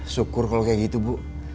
syukur kalau kayak gitu bu